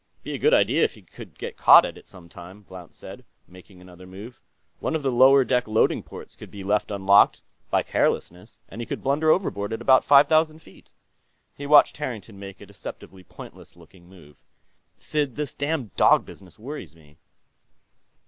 "Be a good idea if he could be caught at it, some time," Blount said, making another move. "One of the lower deck loading ports could be left unlocked, by carelessness, and he could blunder overboard at about five thousand feet." He watched Harrington make a deceptively pointless looking move. "Sid, this damn dog business worries me."